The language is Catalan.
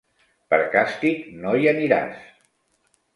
Per càstig no hi aniràs.